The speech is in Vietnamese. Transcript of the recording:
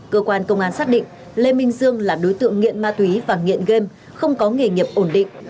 cơ quan công an xác định lê minh dương là đối tượng nghiện ma túy và nghiện game không có nghề nghiệp ổn định